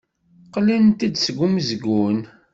Qqlent-d seg umezgun.